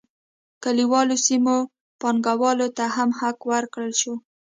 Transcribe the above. کلیوالو سیمو پانګوالو ته هم حق ورکړل شو.